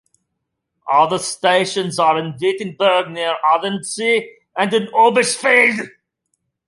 Other stations are in Wittenberge near Arendsee and in Oebisfelde.